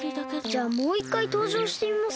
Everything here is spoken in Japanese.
じゃあもう１かいとうじょうしてみます？